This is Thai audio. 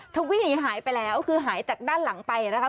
วิ่งหนีหายไปแล้วคือหายจากด้านหลังไปนะคะ